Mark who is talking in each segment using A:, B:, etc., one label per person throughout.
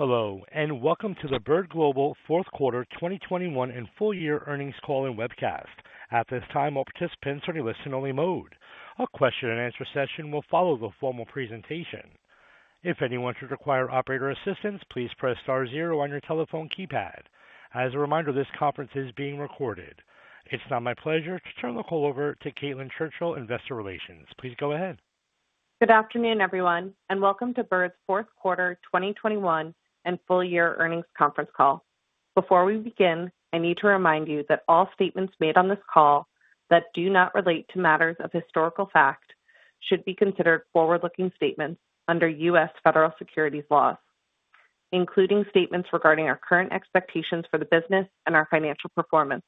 A: Hello, and welcome to the Bird Global fourth quarter 2021 and full year earnings call and webcast. At this time, all participants are in listen-only mode. A question and answer session will follow the formal presentation. If anyone should require operator assistance, please press Star zero on your telephone keypad. As a reminder, this conference is being recorded. It's now my pleasure to turn the call over to Caitlin Churchill, Investor Relations. Please go ahead.
B: Good afternoon, everyone, and welcome to Bird's fourth quarter 2021 and full year earnings conference call. Before we begin, I need to remind you that all statements made on this call that do not relate to matters of historical fact should be considered forward-looking statements under U.S. Federal Securities laws, including statements regarding our current expectations for the business and our financial performance.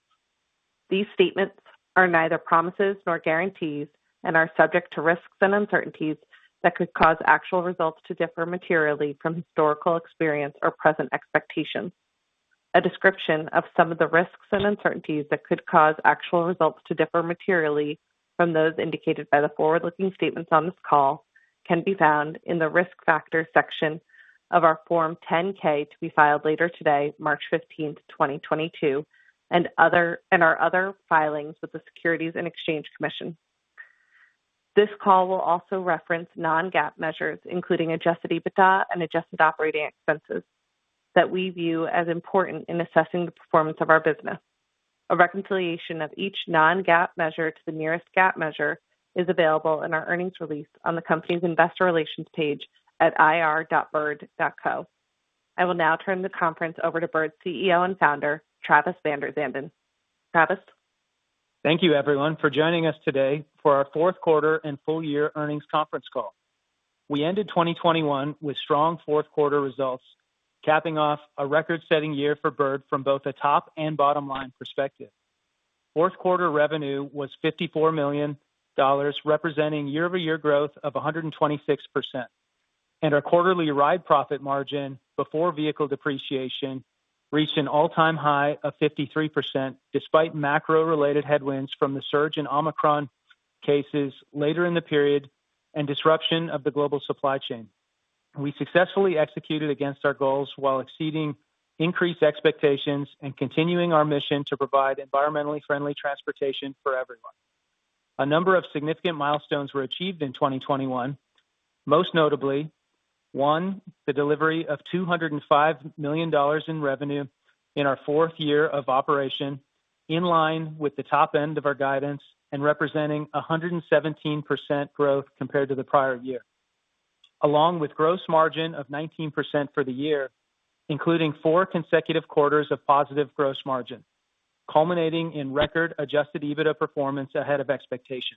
B: These statements are neither promises nor guarantees and are subject to risks and uncertainties that could cause actual results to differ materially from historical experience or present expectations. A description of some of the risks and uncertainties that could cause actual results to differ materially from those indicated by the forward-looking statements on this call can be found in the Risk Factors section of our Form 10-K to be filed later today, March 15, 2022, and our other filings with the Securities and Exchange Commission. This call will also reference non-GAAP measures, including adjusted EBITDA and adjusted operating expenses, that we view as important in assessing the performance of our business. A reconciliation of each non-GAAP measure to the nearest GAAP measure is available in our earnings release on the company's investor relations page at ir.bird.co. I will now turn the conference over to Bird's CEO and Founder, Travis VanderZanden. Travis.
C: Thank you, everyone, for joining us today for our fourth quarter and full year earnings conference call. We ended 2021 with strong fourth quarter results, capping off a record-setting year for Bird from both a top and bottom-line perspective. Fourth quarter revenue was $54 million, representing year-over-year growth of 126%. Our quarterly ride profit margin before vehicle depreciation reached an all-time high of 53%, despite macro-related headwinds from the surge in Omicron cases later in the period and disruption of the global supply chain. We successfully executed against our goals while exceeding increased expectations and continuing our mission to provide environmentally friendly transportation for everyone. A number of significant milestones were achieved in 2021, most notably, one, the delivery of $205 million in revenue in our fourth year of operation, in line with the top end of our guidance and representing 117% growth compared to the prior year. Along with gross margin of 19% for the year, including four consecutive quarters of positive gross margin, culminating in record adjusted EBITDA performance ahead of expectation.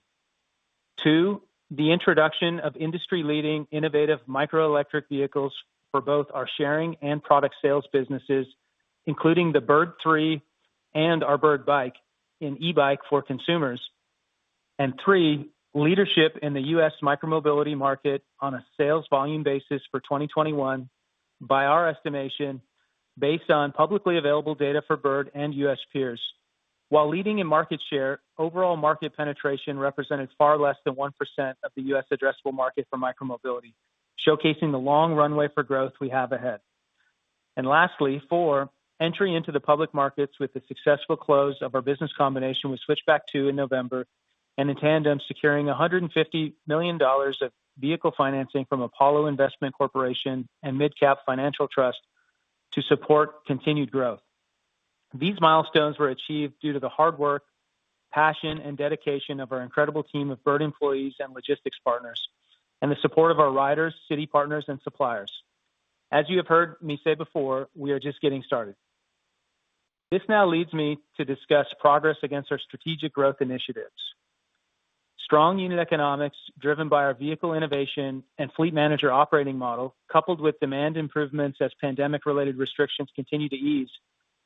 C: Two, the introduction of industry-leading innovative micromobility vehicles for both our sharing and product sales businesses, including the Bird Three and our Bird Bike, an e-bike for consumers. Three, leadership in the U.S. micromobility market on a sales volume basis for 2021, by our estimation, based on publicly available data for Bird and U.S. peers. While leading in market share, overall market penetration represented far less than 1% of the U.S. addressable market for micromobility, showcasing the long runway for growth we have ahead. Lastly, four, entry into the public markets with the successful close of our business combination with Switchback II in November, and in tandem, securing $150 million of vehicle financing from Apollo Investment Corporation and MidCap Financial Trust to support continued growth. These milestones were achieved due to the hard work, passion, and dedication of our incredible team of Bird employees and logistics partners, and the support of our riders, city partners, and suppliers. As you have heard me say before, we are just getting started. This now leads me to discuss progress against our strategic growth initiatives. Strong unit economics, driven by our vehicle innovation and fleet manager operating model, coupled with demand improvements as pandemic-related restrictions continue to ease,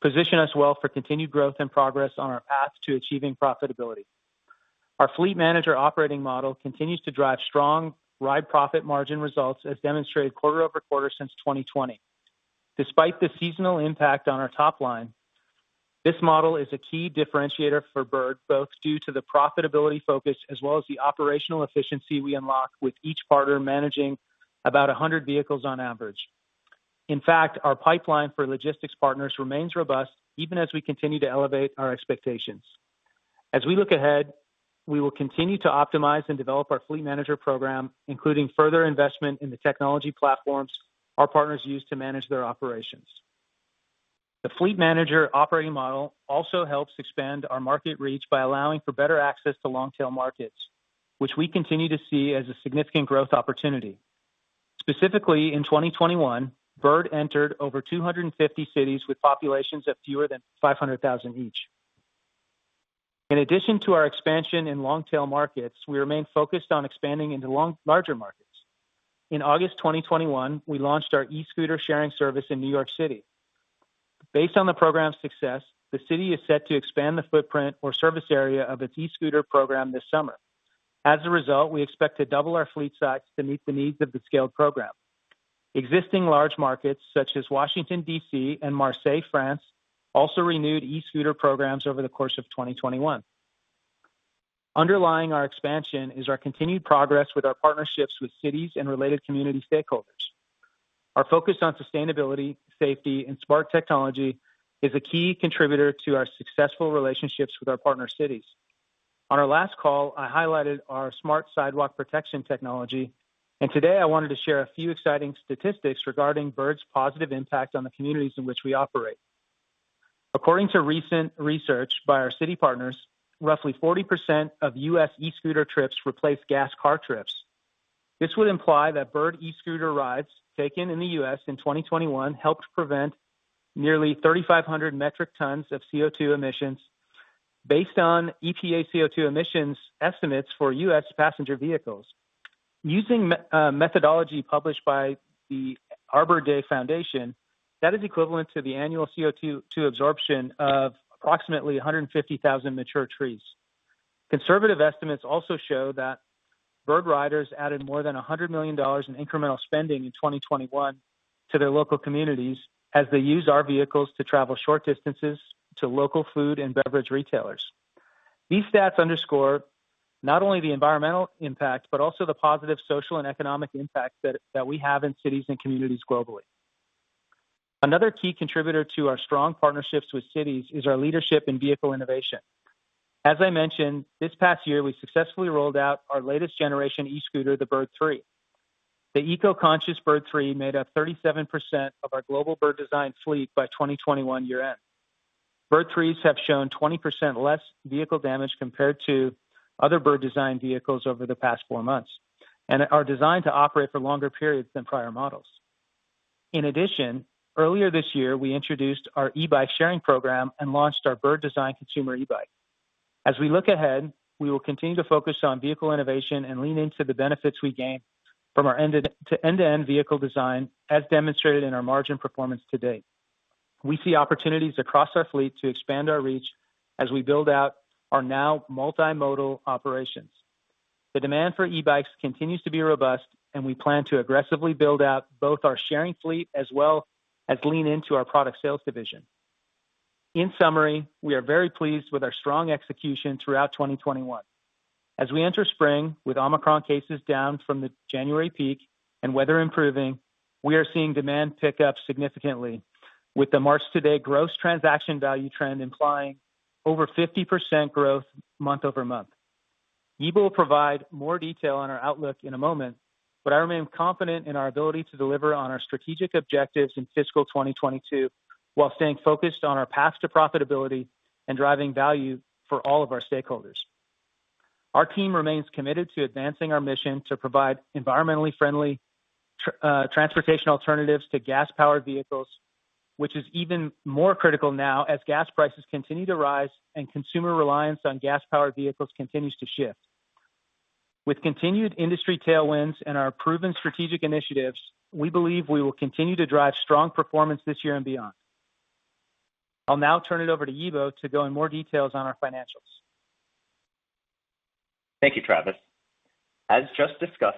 C: position us well for continued growth and progress on our path to achieving profitability. Our fleet manager operating model continues to drive strong Ride Profit margin results as demonstrated quarter-over-quarter since 2020. Despite the seasonal impact on our top line, this model is a key differentiator for Bird, both due to the profitability focus as well as the operational efficiency we unlock with each partner managing about 100 vehicles on average. In fact, our pipeline for logistics partners remains robust even as we continue to elevate our expectations. As we look ahead, we will continue to optimize and develop our fleet manager program, including further investment in the technology platforms our partners use to manage their operations. The fleet manager operating model also helps expand our market reach by allowing for better access to long-tail markets, which we continue to see as a significant growth opportunity. Specifically, in 2021, Bird entered over 250 cities with populations of fewer than 500,000 each. In addition to our expansion in long-tail markets, we remain focused on expanding into longer, larger markets. In August 2021, we launched our e-scooter sharing service in New York City. Based on the program's success, the city is set to expand the footprint or service area of its e-scooter program this summer. As a result, we expect to double our fleet size to meet the needs of the scaled program. Existing large markets such as Washington, D.C., and Marseille, France, also renewed e-scooter programs over the course of 2021. Underlying our expansion is our continued progress with our partnerships with cities and related community stakeholders. Our focus on sustainability, safety, and smart technology is a key contributor to our successful relationships with our partner cities. On our last call, I highlighted our Smart Sidewalk Protection technology, and today I wanted to share a few exciting statistics regarding Bird's positive impact on the communities in which we operate. According to recent research by our city partners, roughly 40% of U.S. e-scooter trips replaced gas car trips. This would imply that Bird e-scooter rides taken in the U.S. in 2021 helped prevent nearly 3,500 metric tons of CO₂ emissions based on EPA CO₂ emissions estimates for U.S. passenger vehicles. Using methodology published by the Arbor Day Foundation, that is equivalent to the annual CO₂ absorption of approximately 150,000 mature trees. Conservative estimates also show that Bird riders added more than $100 million in incremental spending in 2021 to their local communities as they use our vehicles to travel short distances to local food and beverage retailers. These stats underscore not only the environmental impact, but also the positive social and economic impact that we have in cities and communities globally. Another key contributor to our strong partnerships with cities is our leadership in vehicle innovation. As I mentioned, this past year, we successfully rolled out our latest generation e-scooter, the Bird Three. The eco-conscious Bird Three made up 37% of our global Bird design fleet by 2021 year-end. Bird Threes have shown 20% less vehicle damage compared to other Bird design vehicles over the past four months, and are designed to operate for longer periods than prior models. In addition, earlier this year, we introduced our e-bike sharing program and launched our Bird design consumer e-bike. As we look ahead, we will continue to focus on vehicle innovation and lean into the benefits we gain from our end-to-end vehicle design, as demonstrated in our margin performance to date. We see opportunities across our fleet to expand our reach as we build out our now multimodal operations. The demand for e-bikes continues to be robust, and we plan to aggressively build out both our sharing fleet as well as lean into our product sales division. In summary, we are very pleased with our strong execution throughout 2021. As we enter spring with Omicron cases down from the January peak and weather improving, we are seeing demand pick up significantly with the March-to-date gross transaction value trend implying over 50% growth month-over-month. Yibo will provide more detail on our outlook in a moment, but I remain confident in our ability to deliver on our strategic objectives in fiscal 2022 while staying focused on our path to profitability and driving value for all of our stakeholders. Our team remains committed to advancing our mission to provide environmentally friendly transportation alternatives to gas-powered vehicles, which is even more critical now as gas prices continue to rise and consumer reliance on gas-powered vehicles continues to shift. With continued industry tailwinds and our proven strategic initiatives, we believe we will continue to drive strong performance this year and beyond. I'll now turn it over to Yibo to go in more details on our financials.
D: Thank you, Travis. As just discussed,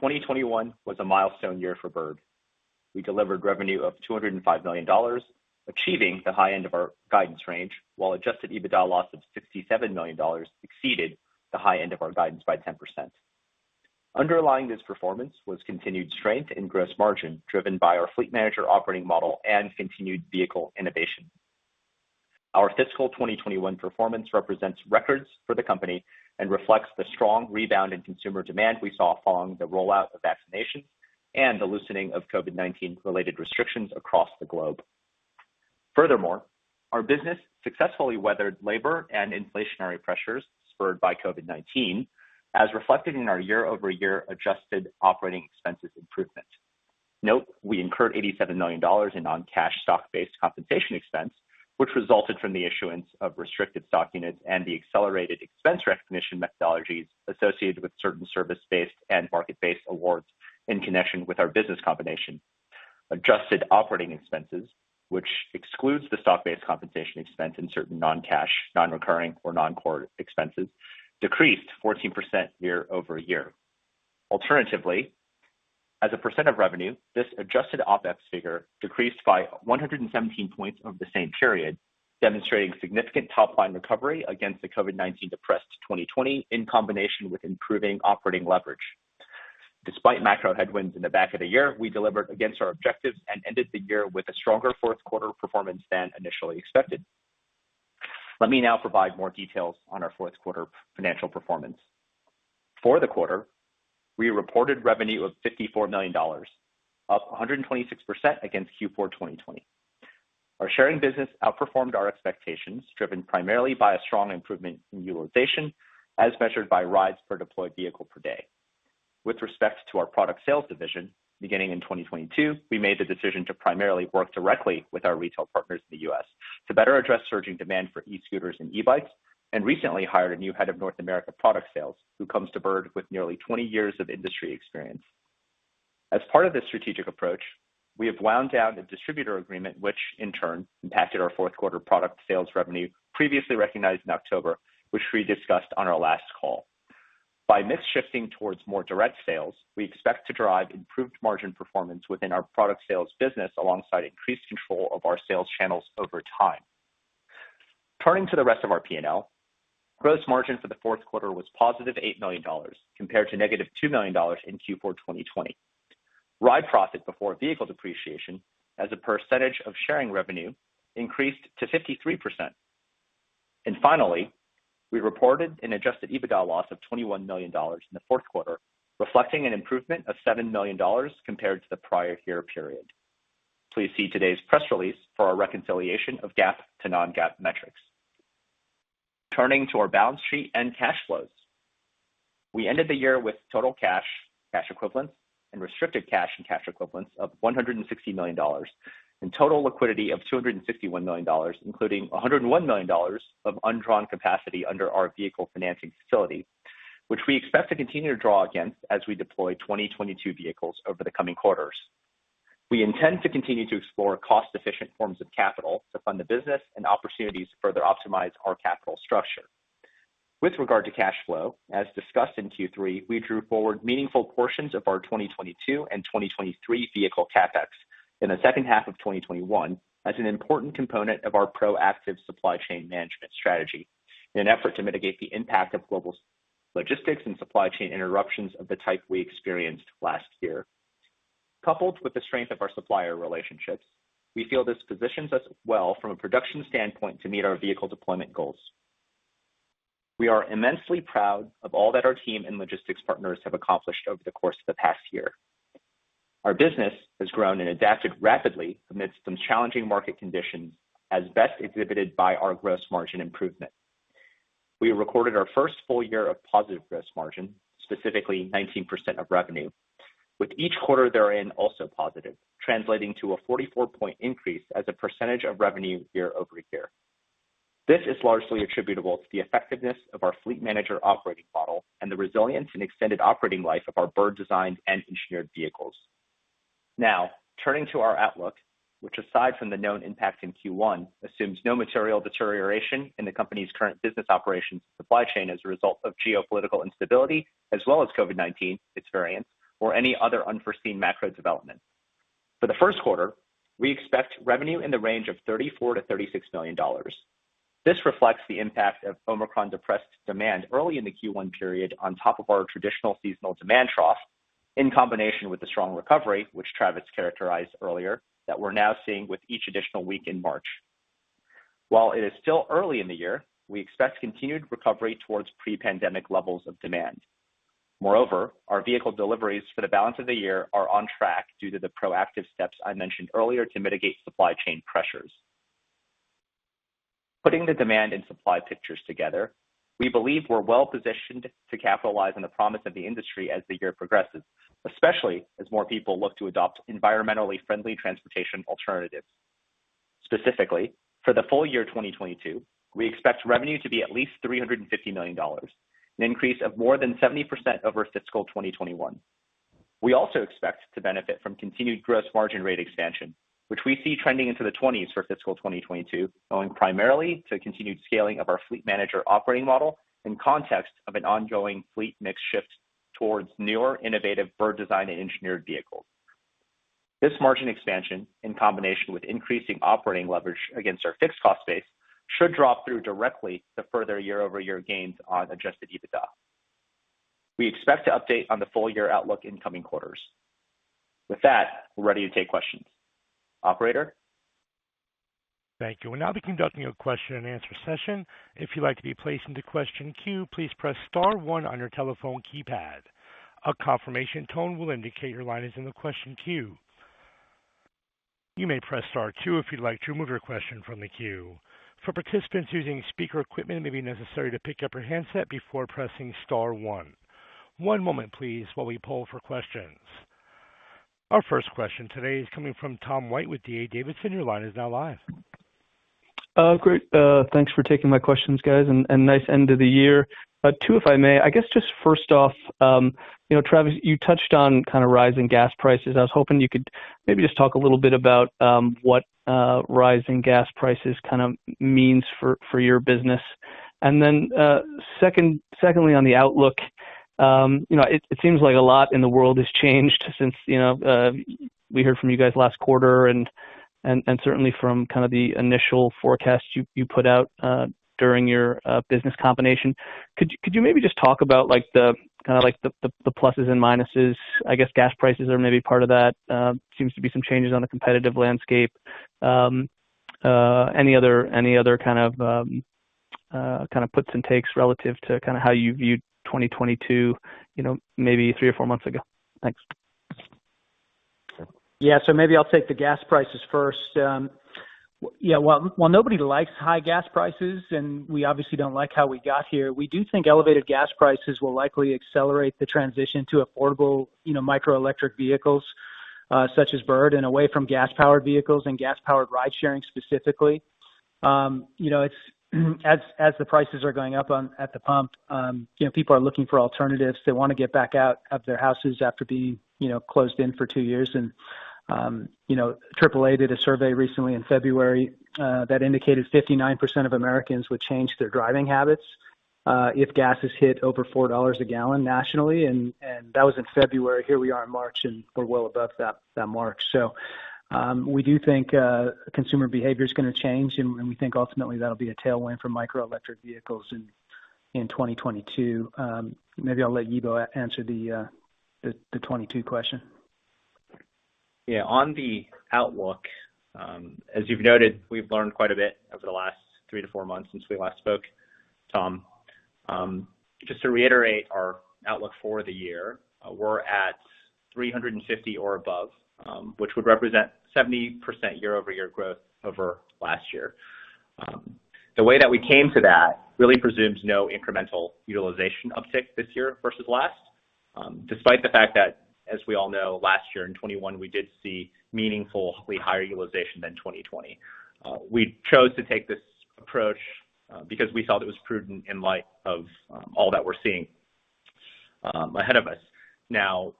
D: 2021 was a milestone year for Bird. We delivered revenue of $205 million, achieving the high end of our guidance range, while adjusted EBITDA loss of $67 million exceeded the high end of our guidance by 10%. Underlying this performance was continued strength in gross margin driven by our fleet manager operating model and continued vehicle innovation. Our fiscal 2021 performance represents records for the company and reflects the strong rebound in consumer demand we saw following the rollout of vaccination and the loosening of COVID-19 related restrictions across the globe. Furthermore, our business successfully weathered labor and inflationary pressures spurred by COVID-19, as reflected in our year-over-year adjusted operating expenses improvement. Note, we incurred $87 million in non-cash stock-based compensation expense, which resulted from the issuance of restricted stock units and the accelerated expense recognition methodologies associated with certain service-based and market-based awards in connection with our business combination. Adjusted Operating expenses, which excludes the stock-based compensation expense and certain non-cash, non-recurring, or non-core expenses, decreased 14% year-over-year. Alternatively, as a percent of revenue, this adjusted OpEx figure decreased by 117 points over the same period, demonstrating significant top-line recovery against the COVID-19 depressed 2020 in combination with improving operating leverage. Despite macro headwinds in the back of the year, we delivered against our objectives and ended the year with a stronger fourth quarter performance than initially expected. Let me now provide more details on our fourth quarter financial performance. For the quarter, we reported revenue of $54 million, up 126% against Q4 2020. Our sharing business outperformed our expectations, driven primarily by a strong improvement in utilization as measured by rides per deployed vehicle per day. With respect to our product sales division, beginning in 2022, we made the decision to primarily work directly with our retail partners in the U.S. to better address surging demand for e-scooters and e-bikes, and recently hired a new head of North America product sales, who comes to Bird with nearly 20 years of industry experience. As part of this strategic approach, we have wound down a distributor agreement which in turn impacted our fourth quarter product sales revenue previously recognized in October, which we discussed on our last call. By mix shifting towards more direct sales, we expect to drive improved margin performance within our product sales business alongside increased control of our sales channels over time. Turning to the rest of our P&L. Gross margin for the fourth quarter was positive $8 million compared to negative $2 million in Q4 2020. Ride Profit before vehicle depreciation as a percentage of sharing revenue increased to 53%. Finally, we reported an adjusted EBITDA loss of $21 million in the fourth quarter, reflecting an improvement of $7 million compared to the prior year period. Please see today's press release for our reconciliation of GAAP to non-GAAP metrics. Turning to our balance sheet and cash flows. We ended the year with total cash equivalents, and restricted cash and cash equivalents of $160 million, and total liquidity of $261 million, including $101 million of undrawn capacity under our vehicle financing facility, which we expect to continue to draw against as we deploy 2022 vehicles over the coming quarters. We intend to continue to explore cost-efficient forms of capital to fund the business and opportunities to further optimize our capital structure. With regard to cash flow, as discussed in Q3, we drew forward meaningful portions of our 2022 and 2023 vehicle CapEx in the second half of 2021 as an important component of our proactive supply chain management strategy in an effort to mitigate the impact of global-logistics and supply-chain interruptions of the type we experienced last year. Coupled with the strength of our supplier relationships, we feel this positions us well from a production standpoint to meet our vehicle deployment goals. We are immensely proud of all that our team and logistics partners have accomplished over the course of the past year. Our business has grown and adapted rapidly amidst some challenging market conditions, as best exhibited by our gross margin improvement. We recorded our first full year of positive gross margin, specifically 19% of revenue, with each quarter therein also positive, translating to a 44-point increase as a percentage of revenue year-over-year. This is largely attributable to the effectiveness of our Fleet Manager operating model and the resilience and extended operating life of our Bird designed and engineered vehicles. Now, turning to our outlook, which aside from the known impact in Q1, assumes no material deterioration in the company's current business operations supply chain as a result of geopolitical instability, as well as COVID-19, its variants, or any other unforeseen macro development. For the first quarter, we expect revenue in the range of $34 million-$36 million. This reflects the impact of Omicron depressed demand early in the Q1 period on top of our traditional seasonal demand trough, in combination with the strong recovery, which Travis characterized earlier, that we're now seeing with each additional week in March. While it is still early in the year, we expect continued recovery towards pre-pandemic levels of demand. Moreover, our vehicle deliveries for the balance of the year are on track due to the proactive steps I mentioned earlier to mitigate supply chain pressures. Putting the demand and supply pictures together, we believe we're well-positioned to capitalize on the promise of the industry as the year progresses, especially as more people look to adopt environmentally friendly transportation alternatives. Specifically, for the full year 2022, we expect revenue to be at least $350 million, an increase of more than 70% over fiscal 2021. We also expect to benefit from continued gross margin rate expansion, which we see trending into the 20s percentation for fiscal 2022, owing primarily to continued scaling of our fleet manager operating model in context of an ongoing fleet mix shift towards newer, innovative Bird designed and engineered vehicles. This margin expansion, in combination with increasing operating leverage against our fixed cost base, should drop through directly to further year-over-year gains on adjusted EBITDA. We expect to update on the full year outlook in coming quarters. With that, we're ready to take questions. Operator?
A: Thank you. We'll now be conducting a question and answer session. If you'd like to be placed into question queue, please press Star one on your telephone keypad. A confirmation tone will indicate your line is in the question queue. You may press Star two if you'd like to remove your question from the queue. For participants using speaker equipment, it may be necessary to pick up your handset before pressing star one. One moment, please, while we poll for questions. Our first question today is coming from Tom White with D.A. Davidson. Your line is now live.
E: Great. Thanks for taking my questions, guys, and nice end of the year. Two, if I may. I guess just first off, you know, Travis, you touched on kind of rising gas prices. I was hoping you could maybe just talk a little bit about what rising gas prices kind of means for your business. And then, second, secondly, on the outlook, you know, it seems like a lot in the world has changed since, you know, we heard from you guys last quarter and certainly from kind of the initial forecast you put out during your business combination. Could you maybe just talk about like the pluses and minuses? I guess gas prices are maybe part of that. Seems to be some changes on the competitive landscape. Any other kind of puts and takes relative to kind of how you viewed 2022, you know, maybe three or four months ago? Thanks.
C: Yeah. Maybe I'll take the gas prices first. Well, nobody likes high gas prices, and we obviously don't like how we got here. We do think elevated gas prices will likely accelerate the transition to affordable, you know, micro electric vehicles, such as Bird and away from gas-powered vehicles and gas-powered ride-sharing specifically. You know, it's as the prices are going up at the pump, you know, people are looking for alternatives. They wanna get back out of their houses after being, you know, closed in for two years and You know, AAA did a survey recently in February that indicated 59% of Americans would change their driving habits if gas hits over $4 a gallon nationally. That was in February. Here we are in March, and we're well above that mark. We do think consumer behavior is gonna change, and we think ultimately that'll be a tailwind for micro electric vehicles in 2022. Maybe I'll let Yibo answer the 2022 question.
D: Yeah. On the outlook, as you've noted, we've learned quite a bit over the last three-to-four months since we last spoke, Tom. Just to reiterate our outlook for the year, we're at $350 million or above, which would represent 70% year-over-year growth over last year. The way that we came to that really presumes no incremental utilization uptick this year versus last, despite the fact that, as we all know, last year in 2021, we did see meaningfully higher utilization than 2020. We chose to take this approach, because we thought it was prudent in light of all that we're seeing ahead of us. Now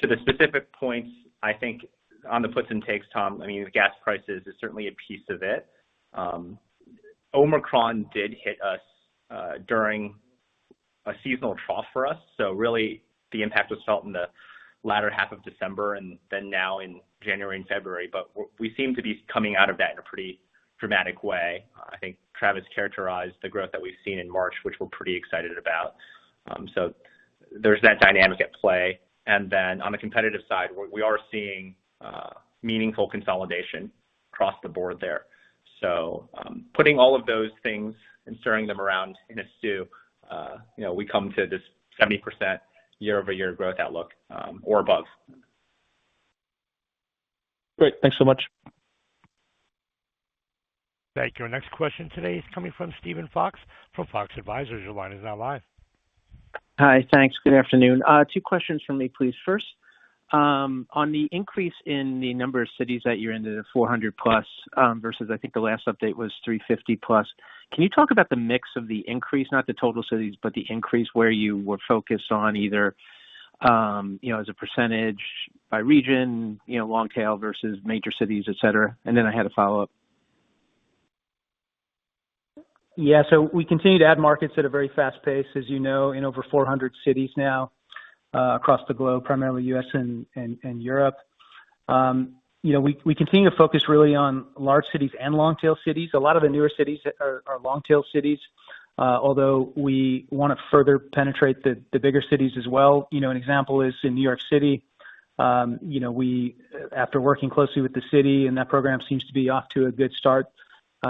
D: to the specific points, I think on the puts and takes, Tom, I mean, gas prices is certainly a piece of it. Omicron did hit us during a seasonal trough for us. Really the impact was felt in the latter half of December and then now in January and February. We seem to be coming out of that in a pretty dramatic way. I think Travis characterized the growth that we've seen in March, which we're pretty excited about. There's that dynamic at play. On the competitive side, we are seeing meaningful consolidation across the board there. Putting all of those things and stirring them around in a stew, you know, we come to this 70% year-over-year growth outlook, or above.
C: Great. Thanks so much.
A: Thank you. Our next question today is coming from Steven Fox from Fox Advisors. Your line is now live.
F: Hi. Thanks. Good afternoon. Two questions from me, please. First, on the increase in the number of cities that you're into the 400+, versus I think the last update was 350+, can you talk about the mix of the increase, not the total cities, but the increase where you were focused on either, you know, as a percentage by region, you know, long tail versus major cities, et cetera? Then I had a follow-up.
C: Yeah. We continue to add markets at a very fast pace, as you know, in over 400 cities now, across the globe, primarily U.S. and Europe. You know, we continue to focus really on large cities and long tail cities. A lot of the newer cities are long tail cities, although we wanna further penetrate the bigger cities as well. You know, an example is in New York City, you know, after working closely with the city, and that program seems to be off to a good start,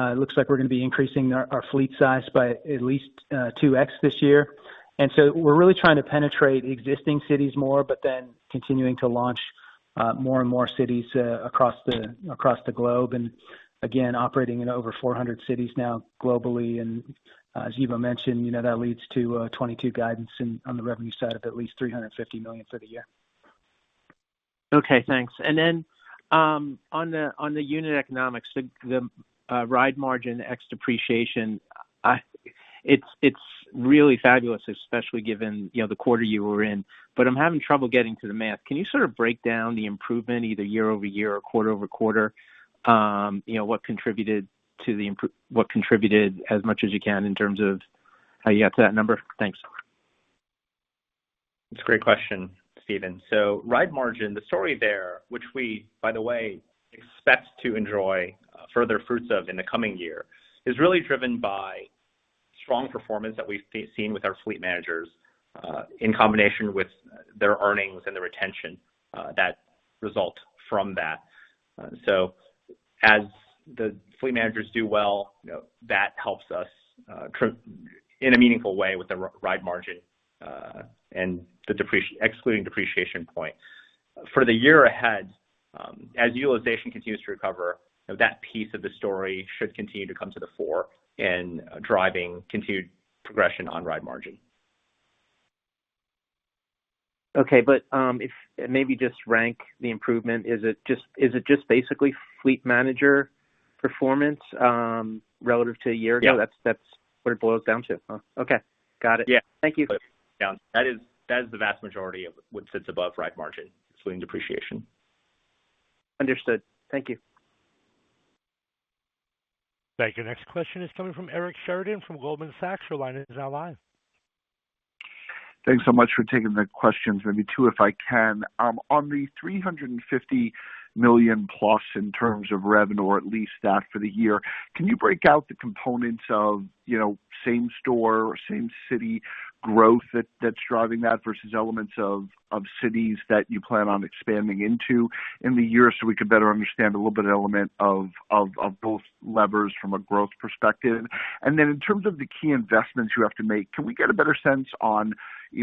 C: it looks like we're gonna be increasing our fleet size by at least 2x this year. We're really trying to penetrate existing cities more, but then continuing to launch more and more cities across the globe. Again, operating in over 400 cities now globally. As Yibo mentioned, you know, that leads to 2022 guidance in, on the revenue side of at least $350 million for the year.
F: Okay, thanks. Then, on the unit economics, the ride margin, ex depreciation, it's really fabulous, especially given the quarter you were in. I'm having trouble getting to the math. Can you sort of break down the improvement either year-over-year or quarter-over-quarter? What contributed as much as you can in terms of how you got to that number? Thanks.
D: That's a great question, Steven. Ride margin, the story there, which we, by the way, expect to enjoy further fruits of in the coming year, is really driven by strong performance that we've seen with our Fleet Managers in combination with their earnings and the retention that result from that. As the Fleet Managers do well, you know, that helps us in a meaningful way with the ride margin and the excluding depreciation point. For the year ahead, as utilization continues to recover, you know, that piece of the story should continue to come to the fore in driving continued progression on ride margin.
F: Maybe just rank the improvement. Is it just basically Fleet Manager performance relative to a year ago?
D: Yeah.
F: That's what it boils down to, huh? Okay. Got it.
D: Yeah.
F: Thank you.
D: Yeah. That is the vast majority of what sits above ride margin, excluding depreciation.
F: Understood. Thank you.
A: Thank you. Next question is coming from Eric Sheridan from Goldman Sachs. Your line is now live.
G: Thanks so much for taking the questions. Maybe two, if I can. On the $350 million+ in terms of revenue, or at least that for the year, can you break out the components of, you know, same store or same city growth that's driving that versus elements of cities that you plan on expanding into in the year so we can better understand a little bit of element of both levers from a growth perspective? Then in terms of the key investments you have to make, can we get a better sense on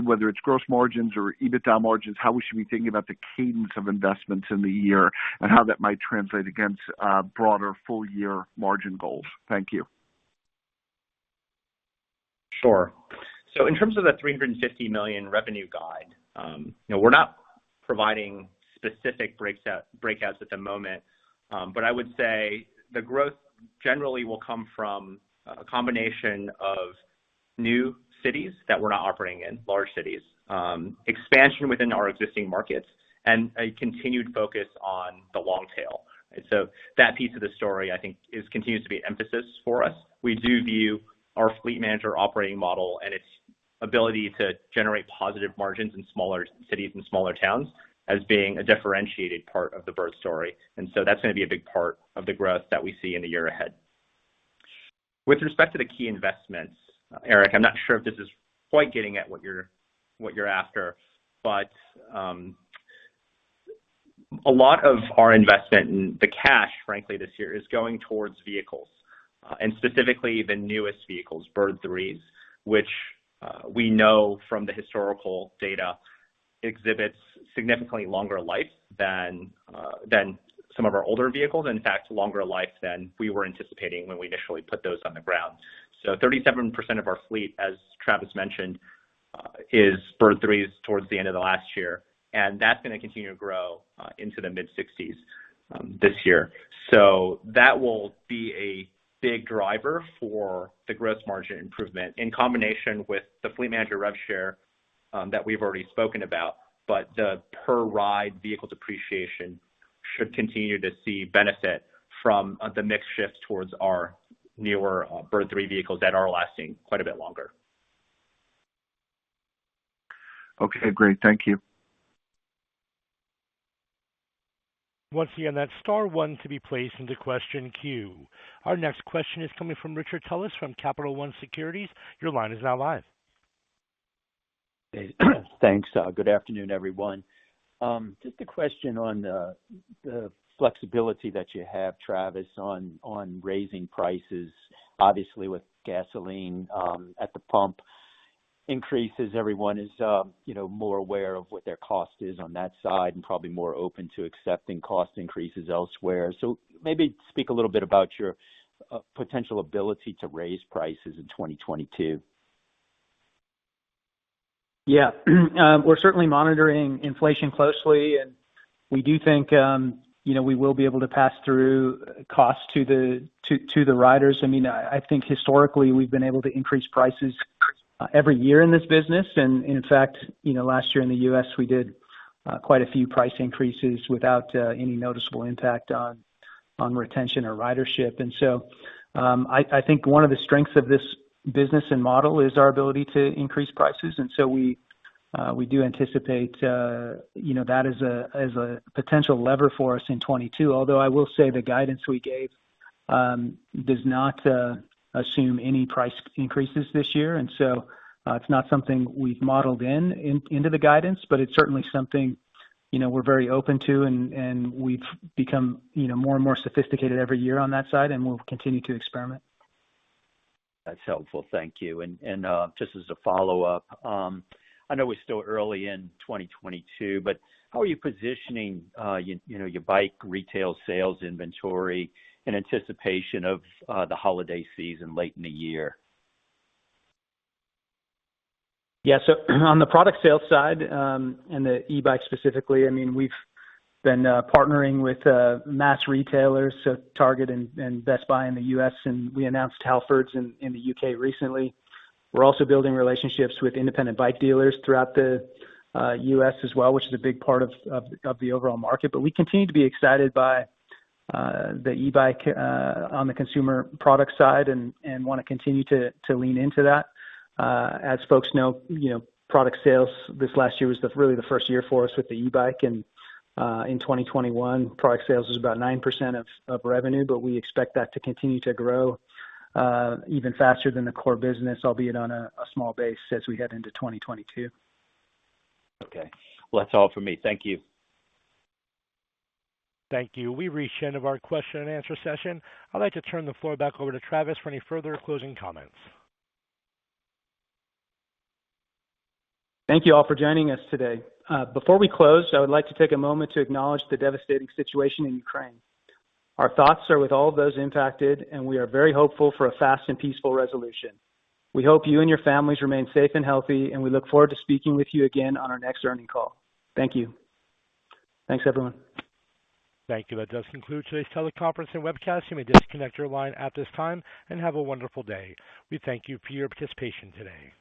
G: whether it's gross margins or EBITDA margins, how we should be thinking about the cadence of investments in the year and how that might translate against broader full year margin goals? Thank you.
D: Sure. In terms of the $350 million revenue guide, you know, we're not providing specific breakouts at the moment. But I would say the growth generally will come from a combination of new cities that we're not operating in, large cities. Expansion within our existing markets and a continued focus on the long tail. That piece of the story, I think, continues to be an emphasis for us. We do view our Fleet Manager operating model and its ability to generate positive margins in smaller cities and smaller towns as being a differentiated part of the Bird story. That's gonna be a big part of the growth that we see in the year ahead. With respect to the key investments, Eric, I'm not sure if this is quite getting at what you're after, but a lot of our investment and the cash, frankly this year is going towards vehicles and specifically the newest vehicles, Bird Threes, which we know from the historical data exhibits significantly longer life than some of our older vehicles. In fact, longer life than we were anticipating when we initially put those on the ground. 37% of our fleet, as Travis mentioned, is Bird Threes towards the end of last year, and that's gonna continue to grow into the mid-60s percentage this year. That will be a big driver for the gross margin improvement in combination with the Fleet Manager rev share that we've already spoken about. The per-ride vehicle depreciation should continue to see benefit from the mix shift towards our newer, Bird Three vehicles that are lasting quite a bit longer.
G: Okay, great. Thank you.
A: Once again, that's Star one to be placed into question queue. Our next question is coming from Richard Tullis from Capital One Securities. Your line is now live.
H: Thanks. Good afternoon, everyone. Just a question on the flexibility that you have, Travis, on raising prices. Obviously with gasoline at the pump increases, everyone is, you know, more aware of what their cost is on that side and probably more open to accepting cost increases elsewhere. Maybe speak a little bit about your potential ability to raise prices in 2022.
C: Yeah. We're certainly monitoring inflation closely, and we do think, you know, we will be able to pass through costs to the riders. I mean, I think historically we've been able to increase prices every year in this business. In fact, you know, last year in the U.S., we did quite a few price increases without any noticeable impact on retention or ridership. I think one of the strengths of this business and model is our ability to increase prices. We do anticipate, you know, that as a potential lever for us in 2022. Although I will say the guidance we gave does not assume any price increases this year. It's not something we've modeled into the guidance, but it's certainly something, you know, we're very open to and we've become, you know, more and more sophisticated every year on that side, and we'll continue to experiment.
H: That's helpful. Thank you. Just as a follow-up, I know it's still early in 2022, but how are you positioning, you know, your bike retail sales inventory in anticipation of the holiday season late in the year?
C: Yeah. On the product sales side, and the e-bike specifically, I mean, we've been partnering with mass retailers, so Target and Best Buy in the U.S., and we announced Halfords in the U.K. recently. We're also building relationships with independent bike dealers throughout the U.S. as well, which is a big part of the overall market. We continue to be excited by the e-bike on the consumer product side and wanna continue to lean into that. As folks know, you know, product sales this last year was really the first year for us with the e-bike. In 2021, product sales was about 9% of revenue, but we expect that to continue to grow even faster than the core business, albeit on a small base as we head into 2022.
H: Okay. Well, that's all for me. Thank you.
A: Thank you. We've reached the end of our question and answer session. I'd like to turn the floor back over to Travis for any further closing comments.
C: Thank you all for joining us today. Before we close, I would like to take a moment to acknowledge the devastating situation in Ukraine. Our thoughts are with all of those impacted, and we are very hopeful for a fast and peaceful resolution. We hope you and your families remain safe and healthy, and we look forward to speaking with you again on our next earnings call. Thank you. Thanks, everyone.
A: Thank you. That does conclude today's teleconference and webcast. You may disconnect your line at this time, and have a wonderful day. We thank you for your participation today.